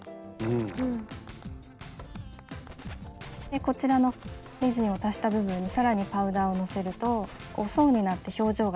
でこちらのレジンを足した部分に更にパウダーをのせると層になって表情が出てきます。